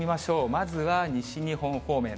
まずは西日本方面。